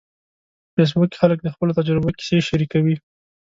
په فېسبوک کې خلک د خپلو تجربو کیسې شریکوي.